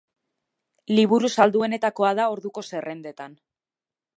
Liburu salduenetakoa da orduko zerrendetan.